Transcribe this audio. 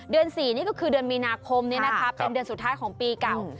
๔นี่ก็คือเดือนมีนาคมเป็นเดือนสุดท้ายของปีเก่า